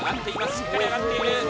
しっかり上がっている。